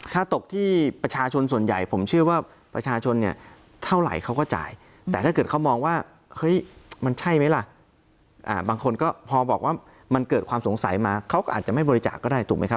ถ้าตกที่ประชาชนส่วนใหญ่ผมเชื่อว่าประชาชนเนี่ยเท่าไหร่เขาก็จ่ายแต่ถ้าเกิดเขามองว่าเฮ้ยมันใช่ไหมล่ะบางคนก็พอบอกว่ามันเกิดความสงสัยมาเขาก็อาจจะไม่บริจาคก็ได้ถูกไหมครับ